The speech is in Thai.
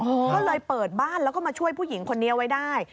ก็เลยเปิดบ้านแล้วก็มาช่วยผู้หญิงคนนี้ไว้ได้